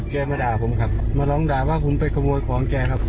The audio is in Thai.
มาด่าผมครับมาร้องด่าว่าผมไปขโมยของแกครับ